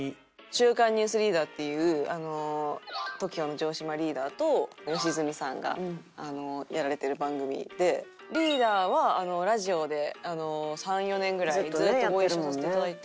『週刊ニュースリーダー』っていうＴＯＫＩＯの城島リーダーと良純さんがやられてる番組でリーダーはラジオで３４年ぐらいずっとご一緒させていただいて。